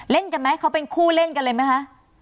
เล่นกันไหมเขาเป็นคู่เล่นกันเลยไหมคะ